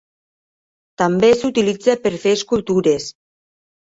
També s'utilitza per fer escultures.